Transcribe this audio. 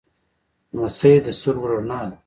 لمسی د سترګو رڼا ده.